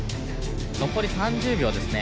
のこり３０秒ですね。